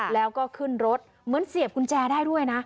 แล้วก็ขึ้นรถเหมือนเสียบกุญแจได้ด้วยนะ